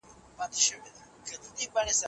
بلکي په سیمو کي د پوځي اډو جوړول هم ول.